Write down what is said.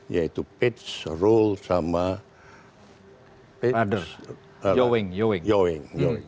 yaitu pitch roll dan yawing